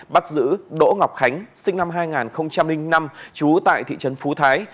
bắt giữ đỗ ngọc khánh sinh năm hai nghìn năm trú tại thị trấn phú thái